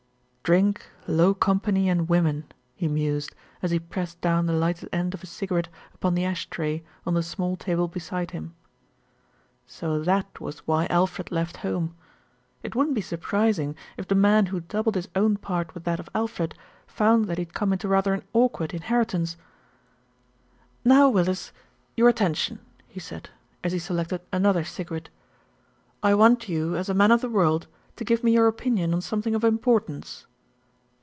"Drink, low company and women," he mused, as he pressed down the lighted end of his cigarette upon the ash tray on the small table beside him. So that was why Alfred left home. It wouldn't be surprising if the man who doubled his own part with that of Alfred found that he had come into rather an awkward inheritance. WHAT THE BUTLER TOLD 51 "Now, Willis, your attention," he said, as he selected another cigarette. "I want you, as a man of the world, to give me your opinion on something of importance."